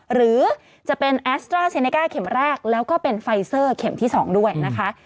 หรือจะเป็นแอสตราเซเนก้าเข็มแรกแล้วก็เป็นไฟเซอร์เข็มที่๒ด้วยนะคะ